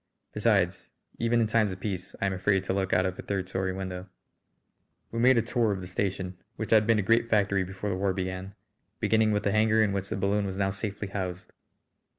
Besides, even in times of peace I am afraid to look out of a third story window. We made a tour of the station, which had been a great factory before the war began, beginning with the hangar in which the balloon was now safely housed.